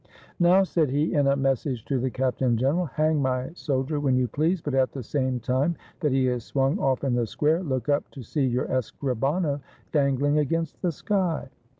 "Now," said he, in a message to the captain general, "hang my soldier when you please; but at the same time that he is swung off in the square, look up to see your escribano dangling against the sky."